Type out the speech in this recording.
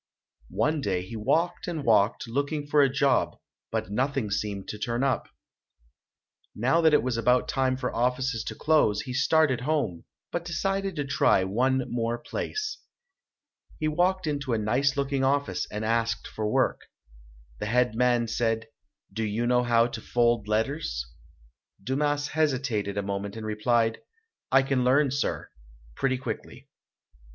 One day he walked and walked, looking for a job, but nothing seemed to turn up. Now that it was about time for offices to close, he started home, but decided to try one more place. He walked into a nice looking office and asked for work. The head man said, "Do you know how to fold letters?" Dumas hesitated a moment and replied, "I can learn, sir, pretty quickly".